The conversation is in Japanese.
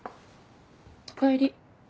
おかえり。